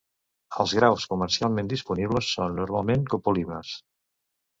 Els graus comercialment disponibles són normalment copolímers.